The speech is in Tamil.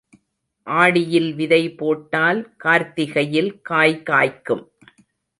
ஆடியில் விதை போட்டால் கார்த்திகையில் காய் காய்க்கும்.